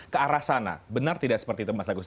ke arah sana benar tidak seperti itu mas agus